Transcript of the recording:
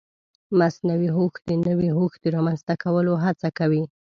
مصنوعي هوښ د نوي هوښ د رامنځته کولو هڅه کوي.